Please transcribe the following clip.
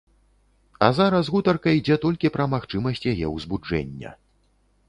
А зараз гутарка ідзе толькі пра магчымасць яе ўзбуджэння.